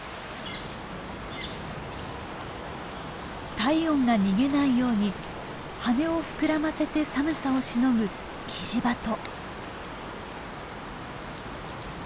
体温が逃げないように羽を膨らませて寒さをしのぐキジバト。